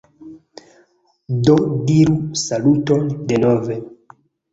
Do diru saluton denove